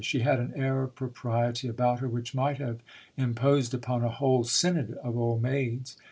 She had an air of propriety about her which might have imposed upon a whole synod of old maids.